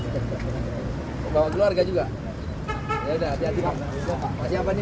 keluarga juga ya udah hati hati apa nih